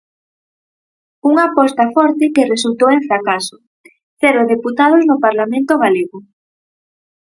Unha aposta forte que resultou en fracaso: cero deputados no Parlamento galego.